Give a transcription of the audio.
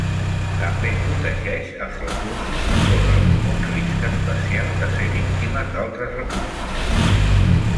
També protegeix als reclusos que corren un risc especial de ser víctimes d'altres reclusos.